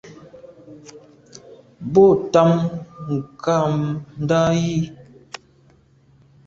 Bo tam ngàmndà yi.